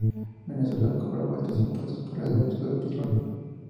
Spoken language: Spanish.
Venezuela cobraba altos impuestos por el derecho del petróleo.